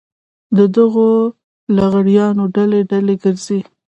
د دغو لغړیانو ډلې ډلې ګرځي.